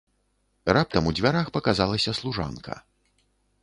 Раптам у дзвярах паказалася служанка.